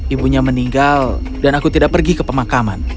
ibunya meninggal dan aku tidak pergi ke pemakaman